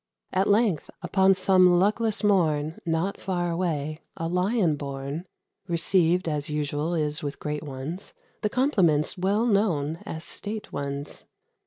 At length, upon some luckless morn, Not far away, a Lion born, Received, as usual is with great ones, The compliments well known as state ones.